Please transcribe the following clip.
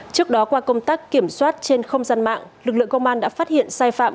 trước đó qua công tác kiểm soát trên không gian mạng lực lượng công an đã phát hiện sai phạm